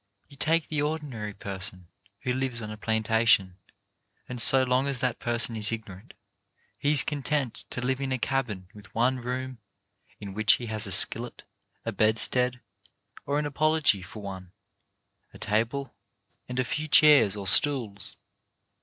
You take the ordinary person who lives on a plantation, and so long as that person is ignorant, he is content to live in a cabin with one room, in which he has a skillet, a bedstead — or an apology for one — a table, and a few chairs or stools.